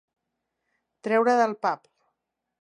Treure del pap.